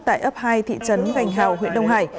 tại ấp hai thị trấn gành hào huyện đông hải